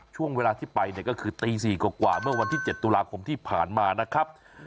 ช่วงเวลาที่ไปเนี่ยก็คือตี๔กว่าเมื่อวันที่๗ตุลาคมที่ผ่านมานะครับ